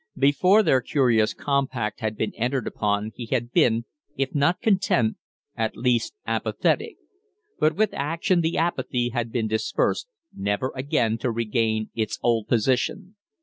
Before their curious compact had been entered upon he had been, if not content, at least apathetic; but with action the apathy had been dispersed, never again to regain its old position.